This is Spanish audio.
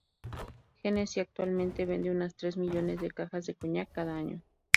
Hennessy actualmente vende unas tres millones de cajas de coñac cada año.